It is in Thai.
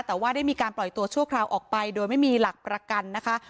แต่ว่าได้มีการปล่อยตัวชั่วคราวออกไปโดยไม่มีหลักประกันนะคะ